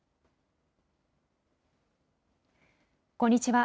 こんにちは。